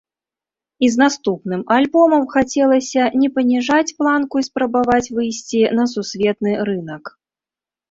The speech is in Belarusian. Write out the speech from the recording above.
І з наступным альбомам хацелася не паніжаць планку і спрабаваць выйсці на сусветны рынак.